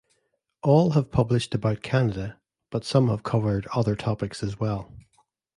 All have published about Canada, but some have covered other topics as well.